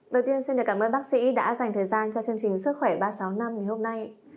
đầu tiên xin cảm ơn bác sĩ đã dành thời gian cho chương trình sức khỏe ba trăm sáu mươi năm ngày hôm nay